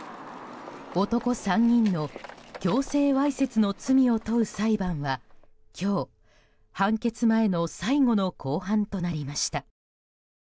男３人の強制わいせつの罪を問う裁判は今日、判決前の最後の公判となりました。